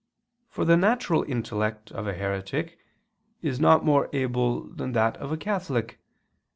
For the natural intellect of a heretic is not more able than that of a catholic.